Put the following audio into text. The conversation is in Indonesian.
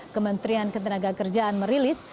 kementerian ketenaga kerjaan merilis